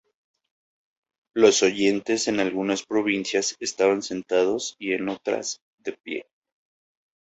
Los oyentes en algunas provincias estaban sentados y en otras, de pie.